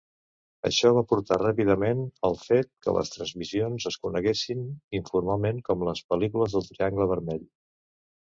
Això va portar ràpidament al fet que les transmissions es coneguessin informalment com les "pel·lícules del triangle vermell".